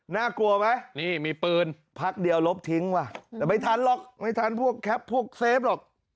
น่ากลัวไหมนี่มีปืนพักเดียวลบทิ้งว่ะแต่ไม่ทันหรอกไม่ทันพวกแคปพวกเซฟหรอก